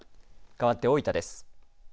かわって大分です。